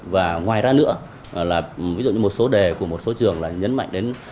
và ngoài ra nữa là ví dụ như một số đề của một số trường là nhấn mạnh đến